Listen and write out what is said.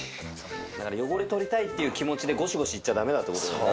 だから汚れ取りたいっていう気持ちでごしごしいっちゃだめだってことだね。